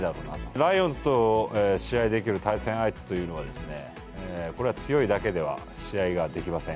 ライオンズと試合できる対戦相手というのは、これは強いだけでは試合ができません。